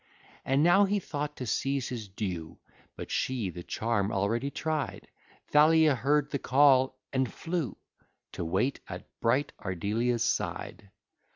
And now he thought to seize his due; But she the charm already try'd: Thalia heard the call, and flew To wait at bright Ardelia's side.